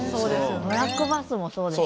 ブラックバスもそうでしょ？